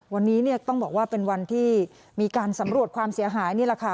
วันนี้เนี่ยต้องบอกว่าเป็นวันที่มีการสำรวจความเสียหายนี่แหละค่ะ